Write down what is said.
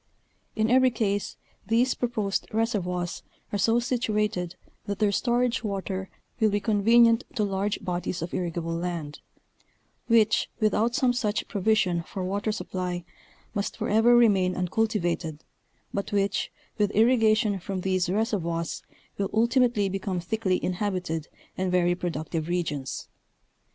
In every case these proposed reservoirs are so situated, that their storage water will be convenient to large bodies of irrigable land, which, without some such provision for water supply must forever remain uncultivated, but which with irrigation from these reservoirs will ultimately become thickly inhabited and very pro ductive regions.